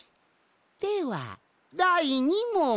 ではだい２もん。